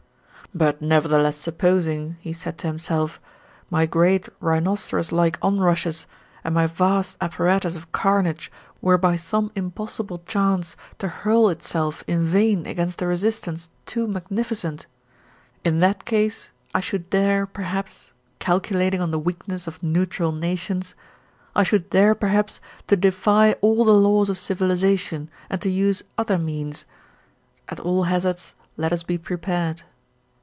"But nevertheless supposing," he said to himself, "my great rhinoceros like onrushes and my vast apparatus of carnage were by some impossible chance to hurl itself in vain against a resistance too magnificent? In that case I should dare perhaps, calculating on the weakness of neutral nations, I should dare perhaps to defy all the laws of civilisation, and to use other means. At all hazards let us be prepared."